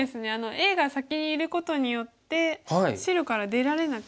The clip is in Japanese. Ａが先にいることによって白から出られなく。